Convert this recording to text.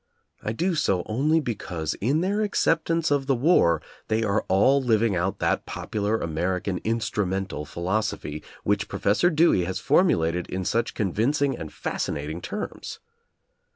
I do so only because in their acceptance of the war, they are all living out that popular American "instrumental" philos ophy which Professor Dewey has formulated in such convincing and fascinating terms.